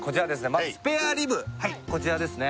まずスペアリブこちらですね